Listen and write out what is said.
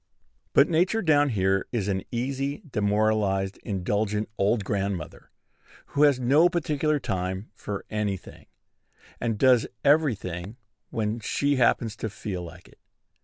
But Nature down here is an easy, demoralized, indulgent old grandmother, who has no particular time for any thing, and does every thing when she happens to feel like it.